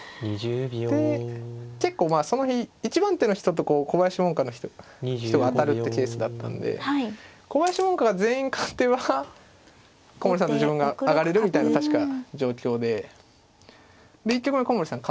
で結構まあその日一番手の人と小林門下の人が当たるってケースだったんで小林門下が全員勝てば古森さんと自分が上がれるみたいな確か状況でで１局目古森さん